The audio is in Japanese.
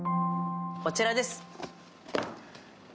こちらです。